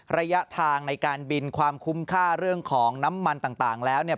ระยะทางในการบินความคุ้มค่าเรื่องของน้ำมันต่างแล้วเนี่ย